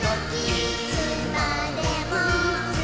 いつまでも。